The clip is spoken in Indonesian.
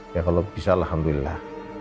ya kalau bisa alhamdulillah